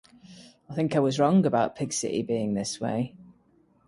I think I was wrong about Pig City being this way.